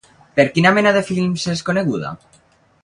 Per quina mena de films és coneguda?